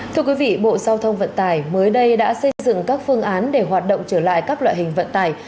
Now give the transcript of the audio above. thưa quý vị bộ giao thông vận tải mới đây đã xây dựng các phương án để hoạt động trở lại các loại hình vận tải